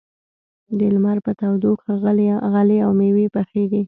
د لمر په تودوخه غلې او مېوې پخېږي.